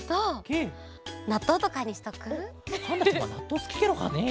パンダちゃまなっとうすきケロかね？